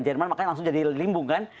jerman makanya langsung jadi limbung kan